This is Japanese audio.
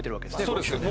そうですね。